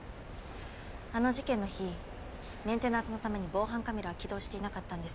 あの事件の日メンテナンスのために防犯カメラは起動していなかったんです。